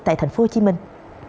tại thành phố hồ chí minh